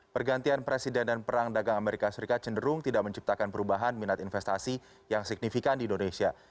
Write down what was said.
pergantian presiden dan perang dagang amerika serikat cenderung tidak menciptakan perubahan minat investasi yang signifikan di indonesia